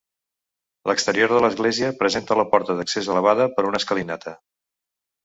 L'exterior de l'església presenta la porta d'accés elevada per una escalinata.